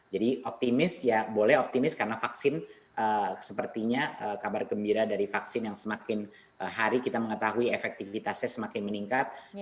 jadi optimis ya boleh optimis karena vaksin sepertinya kabar gembira dari vaksin yang semakin hari kita mengetahui efektivitasnya semakin meningkat